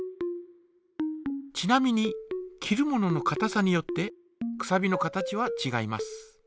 ちなみに切るもののかたさによってくさびの形はちがいます。